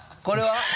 これは？